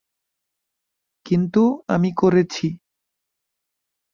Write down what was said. কিন্তু আমি করেছি।